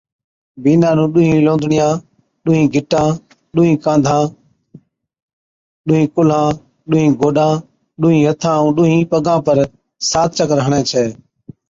بِينڏا نُون ڏونھِين لوندڙِيان، ڏونھِين گِٽان، ڏونھِين ڪانڌان، ڏونھِين ڪُلھان، ڏونھِين گوڏان، ڏونھِين ھٿان ائُون ڏونھِين پَگان پر سات چڪر ھَڻي ڇَي